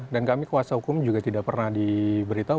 kami kuasa hukum juga tidak pernah diberitahu